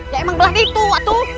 ya emang belah itu waktu